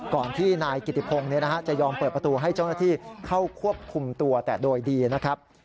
ก่อนที่นายกิติพงศ์จะยอมเปิดประตูให้เจ้าหน้าที่เข้าควบคุมตัวแต่โดยดีนะครับ